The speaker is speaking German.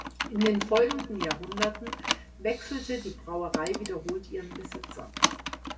In den folgenden Jahrhunderten wechselte die Brauerei wiederholt ihren Besitzer.